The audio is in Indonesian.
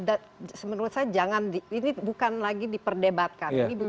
dan menurut saya jangan ini bukan lagi diperdebatkan